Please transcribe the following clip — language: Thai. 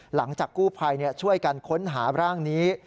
หลังจากกู้ภัยช่วยกันค้นหาร่างนี้